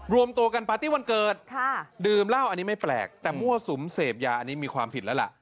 รวมตัวกันปาร์ตี้วันเกิดดื่มเหล้าอันนี้ไม่แปลกแต่มั่วสุมเสพยาอันนี้มีความผิดแล้วล่ะ